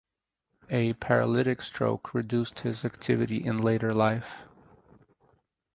A paralytic stroke reduced his activity in later life.